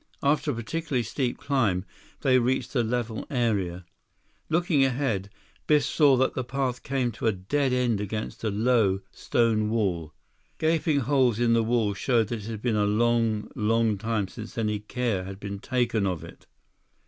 After a particularly steep climb, they reached a level area. Looking ahead, Biff saw that the path came to a dead end against a low, stone wall. Gaping holes in the wall showed that it had been a long, long time since any care had been taken of it.